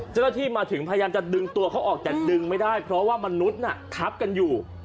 เจ้าหน้าที่มาถึงพยายามจะดึงตัวเขาออกแต่ดึงไม่ได้เพราะว่ามนุษย์ทับกันอยู่